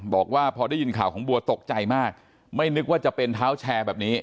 บอกว่าพอได้ยินข่าวของบัวตกใจมากไม่นึกว่าจะเป็นเท้าแชร์แบบนี้